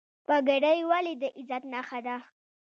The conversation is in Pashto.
پګړۍ ولې د عزت نښه ده؟